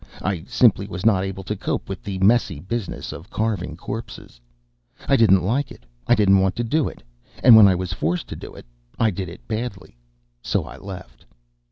I simply was not able to cope with the messy business of carving corpses. I didn't like it, I didn't want to do it, and when I was forced to do it, I did it badly. So I left.